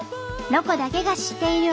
「ロコだけが知っている」。